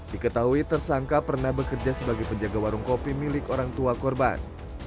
diketahui tersangka pernah bekerja sebagai penjaga warung kopi milik orang tua korban